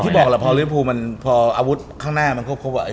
อย่างที่บอกแหละพอลิ้วภูที่มันพออาวุธข้างหน้ามันครบไว้